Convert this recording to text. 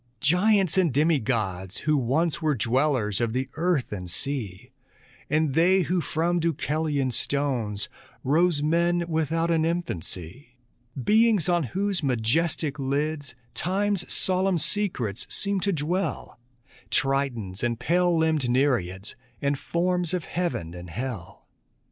Giants and demi gods who once Were dwellers of the earth and sea, And they who from Deucalion's stones, Rose men without an infancy; Beings on whose majestic lids Time's solemn secrets seemed to dwell, Tritons and pale limbed Nereids, And forms of heaven and hell.